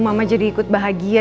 mama jadi ikut bahagia